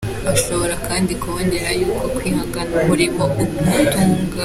Ashobora kandi no kubonera yo uko yakwihangira umurimo umutunga.